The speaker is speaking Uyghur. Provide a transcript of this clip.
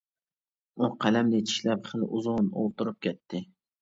ئۇ قەلەمنى چىشلەپ خىلى ئۇزۇن ئولتۇرۇپ كەتتى.